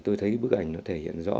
tôi thấy bức ảnh nó thể hiện rõ